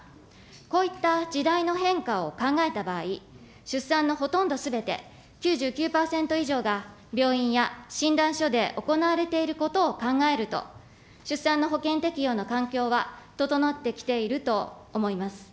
こういった時代の変化を考えた場合、出産のほとんどすべて、９９％以上が病院やしんだんしょで行われていることを考えると、出産の保険適用の環境は整ってきていると思います。